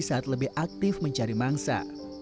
saat lebih aktif mencari mangsa